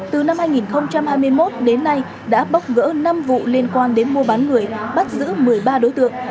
từ năm hai nghìn hai mươi một đến nay đã bóc gỡ năm vụ liên quan đến mua bán người bắt giữ một mươi ba đối tượng